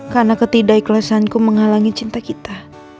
karena ketidakikhlasanku menghalangi cinta kita